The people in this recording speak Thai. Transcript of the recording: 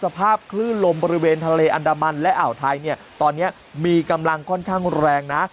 สภาพคลื่นลมบริเวณทะเลอันดามันและอ่าวไทยเนี่ยตอนนี้มีกำลังค่อนข้างแรงนะ